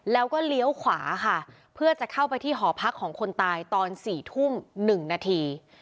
แล้วก็เลี้ยวขวาค่ะเพื่อจะเข้าไปที่หอพักของคนตายตอน๔ทุ่ม๑นาที